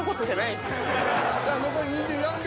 さあ残り２４秒。